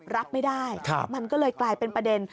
รับไม่ได้มันก็เลยกลายเป็นประเด็น